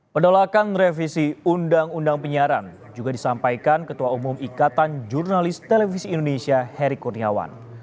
penolakan revisi undang undang penyiaran juga disampaikan ketua umum ikatan jurnalis televisi indonesia heri kurniawan